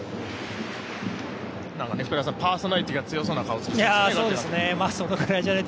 パーソナリティーが強そうな顔してますね。